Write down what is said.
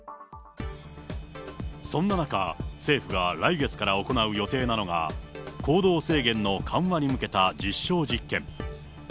そんな中、政府が来月から行う予定なのが、行動制限の緩和に向けた実証実験。